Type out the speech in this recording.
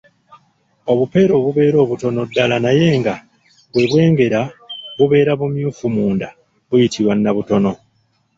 Obupeera obubeera obutono ddala naye nga bwe bwengera bubeera bumyufu munda buyitibwa nnabutono.